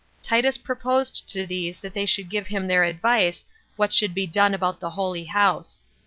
Titus proposed to these that they should give him their advice what should be done about the holy house.